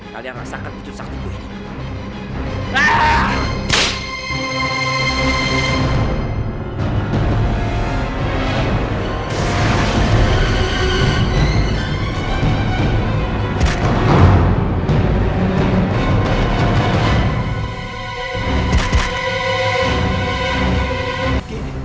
kalian rasakan kejutan sangtuku ini